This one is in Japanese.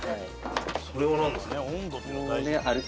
それはなんですか？